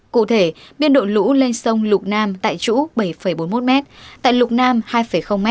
cụ thể biên độ lũ lên sông lục nam tại chỗ bảy bốn mươi một m tại lục nam hai m